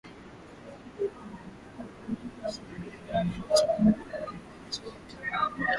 Pia kuna hofu kwamba wanajeshi wa umoja wa nchi za magharibi walioko mashariki mwa Ulaya